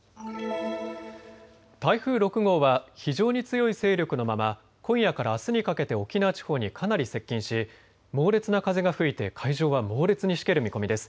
台風６号は非常に強い勢力のまま今夜からあすにかけて沖縄地方にかなり接近し猛烈な風が吹いて海上は猛烈にしける見込みです。